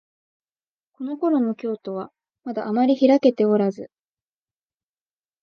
このころの京都は、まだあまりひらけておらず、